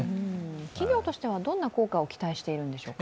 企業としてはどんな効果を期待しているんでしょうか？